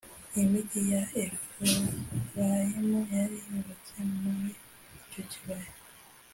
imigii ya efurayimu yari yubatse muri icyo kibaya